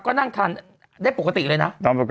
ก็นั่งทานได้ปกติเลยนะ